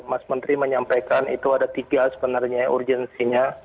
mas menteri menyampaikan itu ada tiga sebenarnya urgensinya